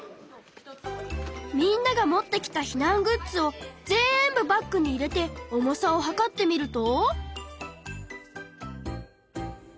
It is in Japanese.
みんなが持ってきた避難グッズをぜんぶバッグに入れて重さを量ってみると。